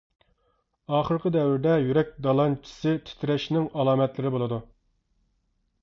ئاخىرقى دەۋرىدە يۈرەك دالانچىسى تىترەشنىڭ ئالامەتلىرى بولىدۇ.